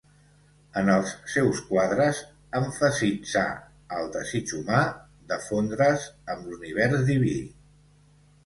En els seus quadres, emfasitzà el desig humà de fondre's amb l'univers diví.